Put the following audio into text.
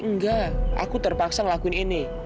enggak aku terpaksa ngelakuin ini